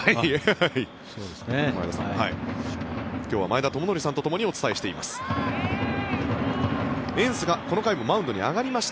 今日は前田智徳さんとともにお伝えしています。